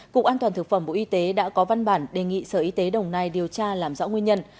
cục an toàn thực phẩm bộ y tế đã có văn bản đề nghị sở y tế đồng nai điều tra làm rõ nguyên nhân